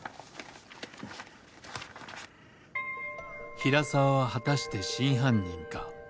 「平沢は果して真犯人か」。